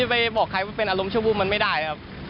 ไปบอกใครว่าเป็นอารมณ์ชั่ววูบมันไม่ได้ครับ